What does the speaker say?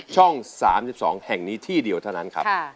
ช่อง๓๒แห่งนี้ที่เดียวเท่านั้นครับ